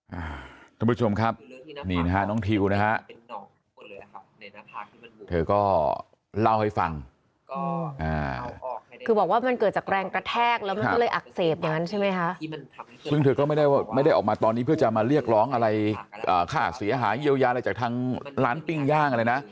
อ่าคุณผู้ชมครับนี่นะฮะนองทิวนะฮะเธอก็เล่าให้ฟังคือบอกว่ามันเกิดจาก